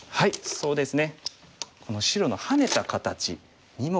そうですね。